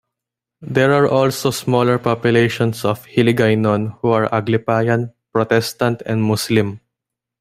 There are also smaller populations of Hiligaynon who are Aglipayan, Protestant, and Muslim.